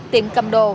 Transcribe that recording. tiệm cầm đồ